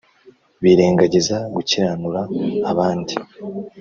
birengagiza gukiranura abandi.